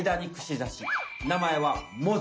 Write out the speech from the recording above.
名前は「モズ」！